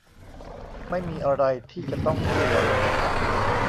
ไม่มีอะไรที่จะต้องกลัว